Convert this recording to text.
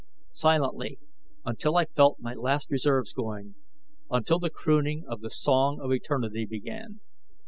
Silent until I felt my last reserves going, until the crooning of the Song of Eternity began.